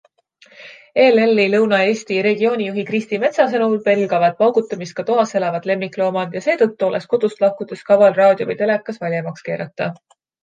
ELLi Lõuna-Eesti regioonijuhi Kristi Metsa sõnul pelgavad paugutamist ka toas elavad lemmikloomad ja seetõttu oleks kodust lahkudes kaval raadio või telekas valjemaks keerata.